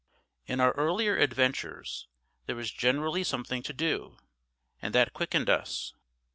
In our earlier adventures there was generally something to do, and that quickened us.